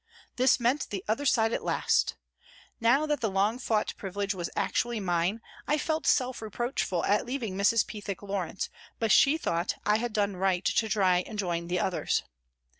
This meant the other side at last ! Now that the long fought privilege was actually mine I felt self reproachful at leaving Mrs. Pethick Lawrence, but she thought I had done right to try and join the others.